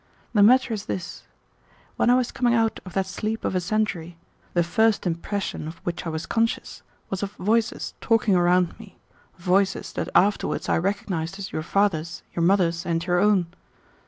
The matter is this: When I was coming out of that sleep of a century, the first impression of which I was conscious was of voices talking around me, voices that afterwards I recognized as your father's, your mother's, and your own.